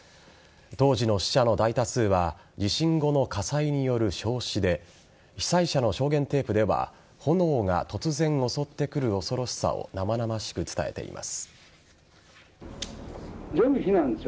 当時の死者の大多数は地震後の火災による焼死で被災者の証言テープでは炎が突然襲ってくる恐ろしさを生々しく伝えています。